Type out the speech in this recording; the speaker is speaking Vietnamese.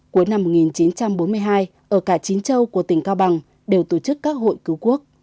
cuối năm một nghìn chín trăm bốn mươi hai ở cả chín châu của tỉnh cao bằng đều tổ chức các hội cứu quốc